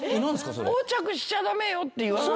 横着しちゃ駄目よって言わない？